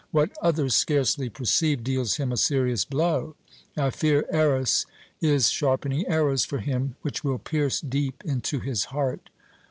What others scarcely perceive deals him a serious blow. I fear Eros is sharpening arrows for him which will pierce deep into his heart.